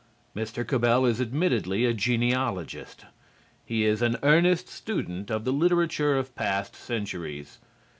Mr. Cabell is admittedly a genealogist. He is an earnest student of the literature of past centuries.